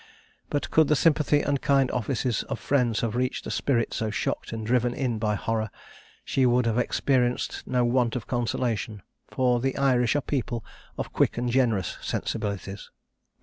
But could the sympathy and kind offices of friends have reached a spirit so shocked and driven in by horror, she would have experienced no want of consolation; for the Irish are a people of quick and generous sensibilities.